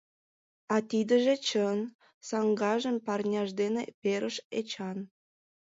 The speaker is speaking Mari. — А тидыже чын! — саҥгажым парняж дене перыш Эчан.